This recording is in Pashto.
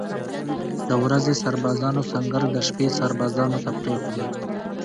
د ورځې سربازانو سنګر د شپې سربازانو ته پرېښوده.